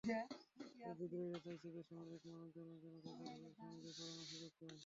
তবে বিদ্রোহীরা চাইছে, বেসামরিক মানুষজনও যেন তাদের সঙ্গে পালানোর সুযোগ পায়।